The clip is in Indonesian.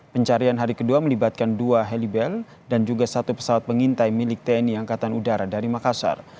pencarian hari kedua melibatkan dua helibel dan juga satu pesawat pengintai milik tni angkatan udara dari makassar